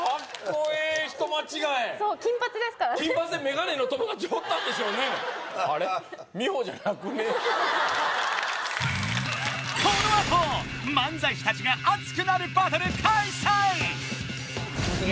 このあと漫才師達が熱くなるバトル開催